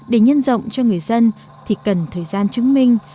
để nhân rộng cho người dân thì cần thời gian chứng minh